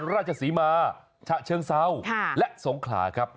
นครราชสีมาชะเชื้งสาวและสงขลาครับ